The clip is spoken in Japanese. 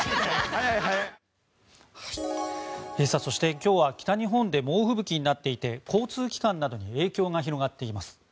そして今日は北日本で猛吹雪になっていて交通機関などに影響が広がっています。